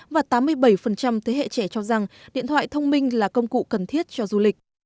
và tám mươi bảy thế hệ trẻ cho rằng điện thoại thông minh là công cụ cần thiết cho du lịch